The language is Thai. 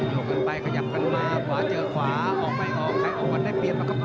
กกันไปขยับกันมาขวาเจอขวาออกไม่ออกใครออกวันได้เปรียบนะครับ